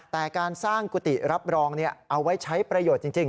แต่การสร้างกุฏิรับรองเอาไว้ใช้ประโยชน์จริง